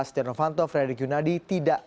setia novanto frederick yunadi tidak